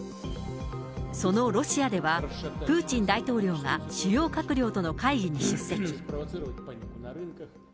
そのロシアでは、プーチン大統領が主要閣僚との会議に出席。